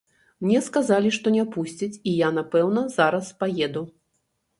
Мне сказалі, што не пусцяць і я, напэўна, зараз паеду.